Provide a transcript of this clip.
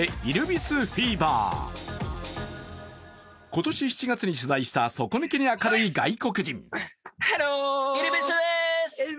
今年７月に取材した底抜けに明るい外国人。